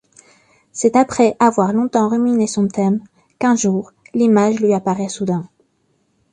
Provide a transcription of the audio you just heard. C'est après avoir longtemps ruminé son thème qu'un jour l'image lui apparaît soudain.